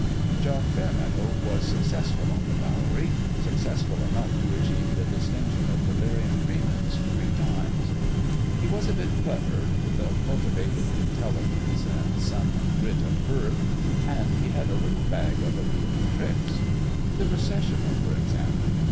THEOLOGICAL TRAINING 159 John Fairmeadow was successful on the Bowery successful enough to achieve the dis tinction of delirium tremens three times. He was a bit clever with a cultivated intelligence and some grit of birth and he had a little bag of appealing tricks. The Recessional, for ex ample.